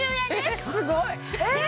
えっすごい！えっ！？